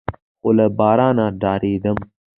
خو له بارانه ډارېدم.